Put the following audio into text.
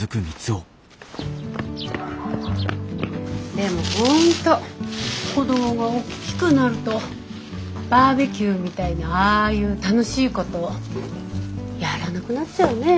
でも本当子供がおっきくなるとバーベキューみたいなああいう楽しいことをやらなくなっちゃうね。